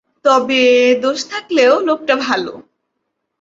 তবে দোষ থাকলেও লোকটা ভালো।